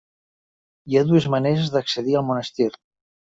Hi ha dues maneres d'accedir al monestir.